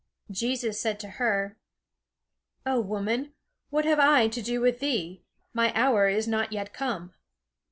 Jesus said to her: "O woman, what have I to do with thee? My hour is not yet come."